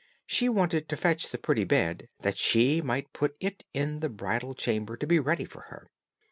She wanted to fetch the pretty bed, that she might put it in the bridal chamber to be ready for her.